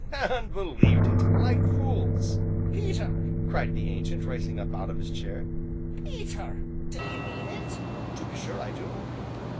"And believed it like fools!" "Peter!" cried the Ancient, rising up out of his chair, "Peter, do 'ee mean it?" "To be sure I do."